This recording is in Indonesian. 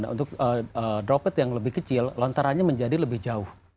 untuk droplet yang lebih kecil lontarannya menjadi lebih jauh